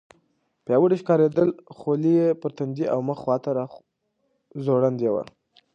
پیاوړي ښکارېدل، خولۍ یې پر تندي او مخ خواته راځوړندې وې.